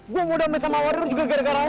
gue mudah sama warung juga gara gara lo